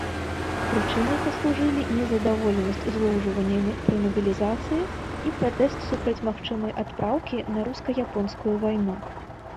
Прычынай паслужылі незадаволенасць злоўжываннямі пры мабілізацыі і пратэст супраць магчымай адпраўкі на руска-японскую вайну.